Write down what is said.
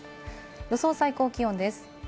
予想最高気温です。